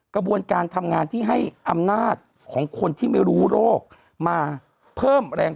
กระบวนการทำงานที่ให้อำนาจของคนที่ไม่รู้โรคมาเพิ่มแรง